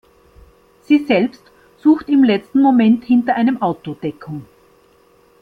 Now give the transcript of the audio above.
Sie selbst sucht im letzten Moment hinter einem Auto Deckung.